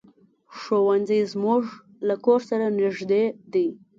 ښوونځی زمونږ له کور سره نږدې دی.